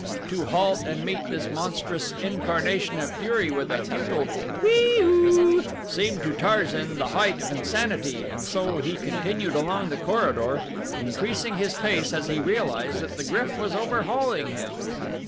To halt and meet this monstrous incarnation of fury with a futile whee oo! seemed to Tarzan the height of insanity and so he continued along the corridor, increasing his pace as he realized that the GRYF was overhauling him.